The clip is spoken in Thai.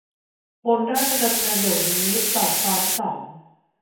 บนราชดำเนินเดี๋ยวนี้ จอดซ้อนสอง